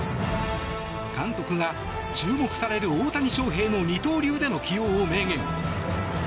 監督が、注目される大谷翔平の二刀流での起用を明言。